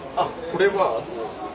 これは。